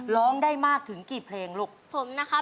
ร้องได้มากถึงกี่เพลงลูก